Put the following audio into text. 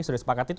sudah sepakat itu